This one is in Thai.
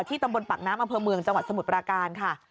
ตำบลปากน้ำอำเภอเมืองจังหวัดสมุทรปราการค่ะ